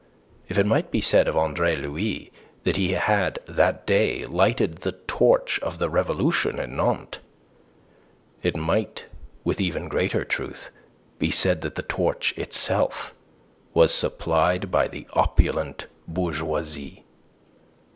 If it might be said of Andre Louis that he had that day lighted the torch of the Revolution in Nantes, it might with even greater truth be said that the torch itself was supplied by the opulent bourgeoisie.